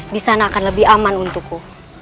di sana akan lebih aman untukku